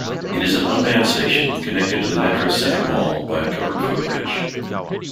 It is an unmanned station, connected to the MetroCentre mall by a covered footbridge.